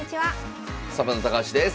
サバンナ高橋です。